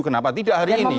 kenapa tidak hari ini